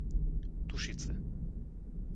Tušice